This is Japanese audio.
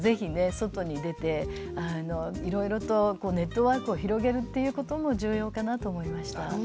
外に出ていろいろとネットワークを広げるということも重要かなと思いました。